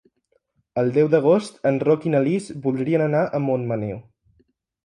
El deu d'agost en Roc i na Lis voldrien anar a Montmaneu.